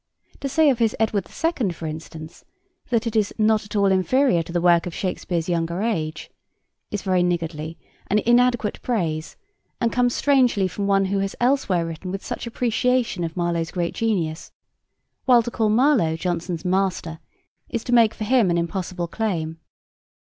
To say of his Edward II., for instance, that it 'is not at all inferior to the work of Shakespeare's younger age,' is very niggardly and inadequate praise, and comes strangely from one who has elsewhere written with such appreciation of Marlowe's great genius; while to call Marlowe Jonson's 'master' is to make for him an impossible claim.